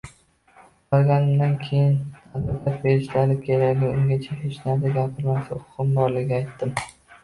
Borganimdan keyin menga advokat berishlari kerakligi, ungacha hech narsa gapirmaslik huquqim borligini aytdim.